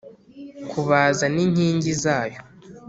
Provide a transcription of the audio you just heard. kubaza n inkingi zayo